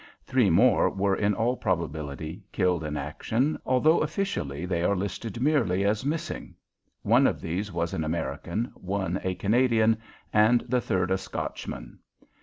Three more were in all probability killed in action, although officially they are listed merely as "missing." One of these was an American, one a Canadian, and the third a Scotchman.